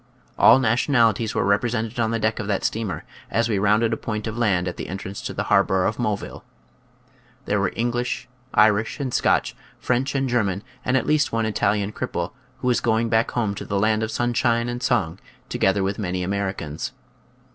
All nationalities were represented on the deck of that steamer, as we rounded a point of land at the entrance to the harbor of Moville. (~~ j , Original from UNIVERSITY OF WISCONSIN Audic an& /fcustctans. 97 There were English, Irish and Scotch, French and German, and at least one Italian cripple, who was going back home to the land of sunshine and song, together with many Americans.